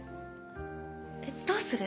えっどうする？